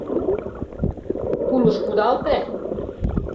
— Тулыш кудалте!